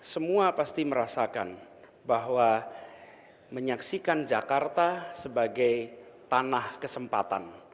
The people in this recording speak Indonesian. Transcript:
semua pasti merasakan bahwa menyaksikan jakarta sebagai tanah kesempatan